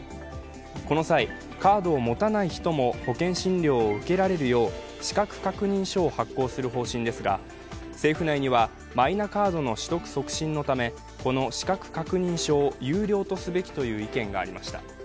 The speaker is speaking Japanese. この際、カードを持たない人も保険診療を受けられるよう資格確認書を発効する方針ですが政府内には、マイナカードの取得促進のため、この資格確認書を有料とすべきという意見がありました。